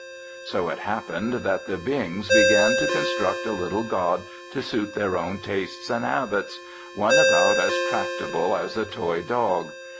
So it happened that the Bings began to construct a little god to suit their own tastes and habits one about as tractable as a toy dog.